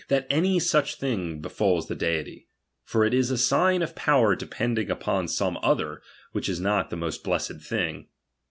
. that any such thing befalls the Deity ; for it is a sign of power depending upon some other, which is not the most blessed thing.